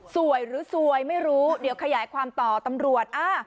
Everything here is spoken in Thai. สวยหรือสวยไม่รู้เดี๋ยวขยายความต่อตำรวจ